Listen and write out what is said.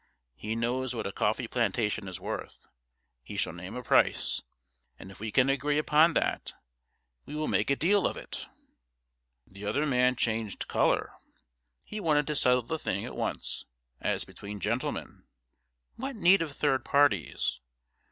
He knows what a coffee plantation is worth. He shall name a price, and if we can agree upon that, we will make a deal of it.' The other man changed colour. He wanted to settle the thing at once as between gentlemen. What need of third parties?